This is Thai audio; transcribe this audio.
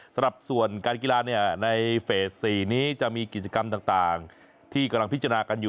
สำหรับส่วนการกีฬาในเฟส๔นี้จะมีกิจกรรมต่างที่กำลังพิจารณากันอยู่